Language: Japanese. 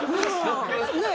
ねえ。